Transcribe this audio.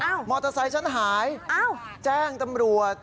อ้าวมอเตอร์ไซต์ฉันหายแจ้งตำรวจ